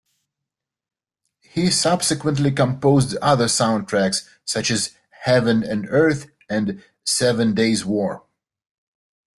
He subsequently composed other soundtracks such as "Heaven and Earth" and "Seven Days War".